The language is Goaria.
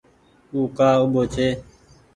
او ڪآ اُوٻو ڇي۔